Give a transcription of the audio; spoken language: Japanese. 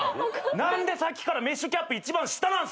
何でさっきからメッシュキャップ一番下なんすか！？